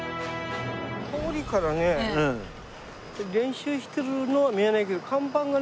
通りからね練習してるのは見えないけど。